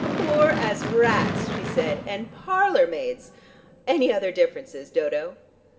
"Poor as rats," she said, "and parlour maids! Any other differences, Dodo?"